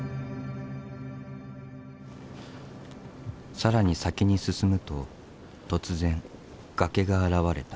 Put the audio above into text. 更に先に進むと突然崖が現れた。